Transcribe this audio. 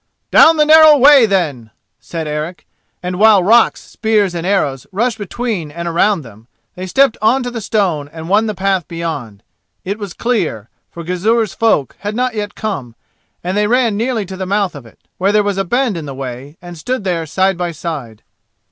"Down the narrow way, then," said Eric, and while rocks, spears and arrows rushed between and around them, they stepped on to the stone and won the path beyond. It was clear, for Gizur's folk had not yet come, and they ran nearly to the mouth of it, where there was a bend in the way, and stood there side by side.